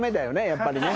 やっぱりね